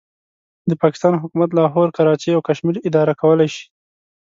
د پاکستان حکومت لاهور، کراچۍ او کشمیر اداره کولای شي.